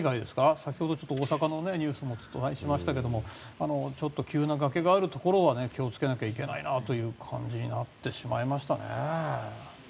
先ほど大阪のニュースもありましたが急な崖があるところは気をつけなきゃいけないなという感じになってしまいましたね。